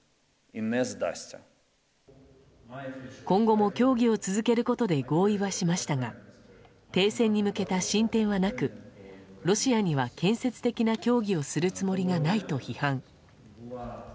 今後も協議を続けることで合意はしましたが停戦に向けた進展はなくロシアには建設的な協議をするつもりがないと批判。